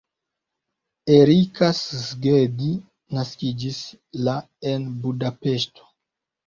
Erika Szegedi naskiĝis la en Budapeŝto.